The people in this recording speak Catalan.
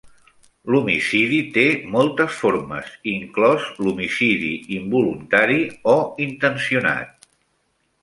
L'homicidi té moltes formes, inclòs l'homicidi involuntari o intencionat.